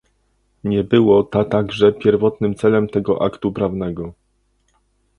Nie było ta także pierwotnym celem tego aktu prawnego